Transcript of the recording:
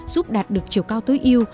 giúp đạt được chiều cao tối yêu